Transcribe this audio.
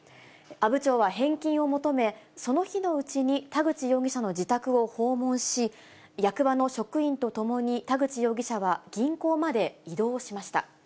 阿武町は返金を求め、その日のうちに田口容疑者の自宅を訪問し、役場の職員と共に、田口容疑者は銀行まで移動しました。